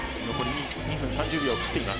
残り２分３０秒を切っています。